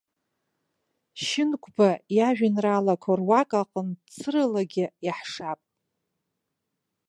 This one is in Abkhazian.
Шьынқәба иажәеинраалақәа руак аҟынтә, цыралагьы иаҳшап.